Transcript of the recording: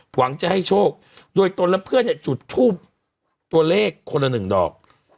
หวังจะให้โชคโดยตนและเพื่อนเนี่ยจุดทูบตัวเลขคนละหนึ่งดอก